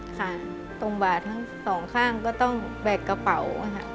ค่ะตรงบาดทั้งสองข้างก็ต้องแบกกระเป๋าค่ะ